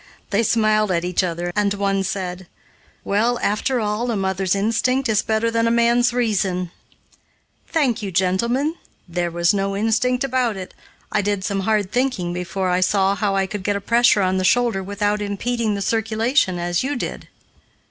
They smiled at each other, and one said: "Well, after all, a mother's instinct is better than a man's reason." "Thank you, gentlemen, there was no instinct about it. I did some hard thinking before I saw how I could get a pressure on the shoulder without impeding the circulation, as you did."